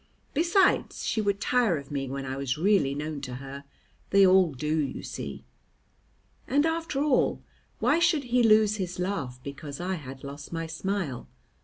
Besides, she would tire of me when I was really known to her. They all do, you see. And, after all, why should he lose his laugh because I had lost my smile?